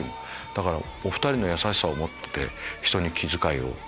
だからお２人の優しさをもって人に気遣いがあれば。